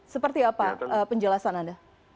seperti apa penjelasan anda